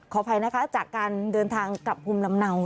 ขออภัยนะคะจากการเดินทางกลับภูมิลำเนา